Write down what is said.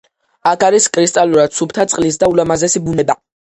აქ არის კრისტალურად სუფთა წყლის და ულამაზესი ბუნება.